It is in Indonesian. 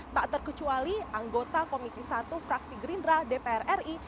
tak terkecuali anggota komisi satu fraksi gerindra dpr ri